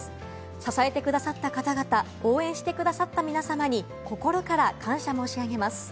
支えてくださった方々、応援してくださった皆さまに心から感謝申し上げます。